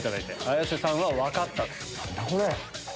綾瀬さんは分かった。